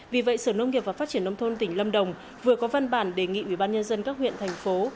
vì vậy sở nông nghiệp và phát triển nông thôn tỉnh lâm đồng vừa có văn bản đề nghị ubnd các huyện thành phố